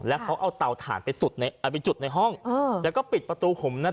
แล้วเค้าเอาเตาทานไปจุดในห้องแล้วก็ปิดประตูผมนะ